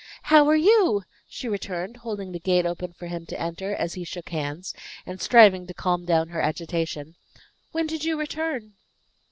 "How are you?" she returned, holding the gate open for him to enter, as he shook hands, and striving to calm down her agitation. "When did you return?"